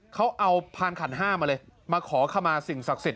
เค้าเอาพาลขัด๕มาเลยมาขอขมาสิ่งศักดิ์ศิลป์